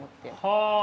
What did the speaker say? はあ。